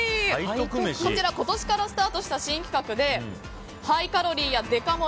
こちら、今年からスタートした新企画でハイカロリーやデカ盛り